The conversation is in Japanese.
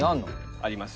あります。